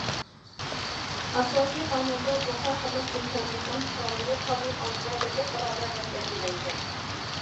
ئاساسىي قانۇندا: جۇڭخۇا خەلق جۇمھۇرىيىتىنىڭ پۇقرالىرى قانۇن ئالدىدا بىردەك باراۋەر، دەپ بەلگىلەنگەن.